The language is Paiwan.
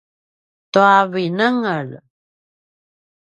tua vinengel